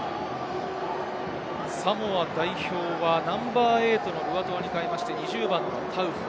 サモア代表はナンバー８のルアトゥアに代えて、２０番のタウファ。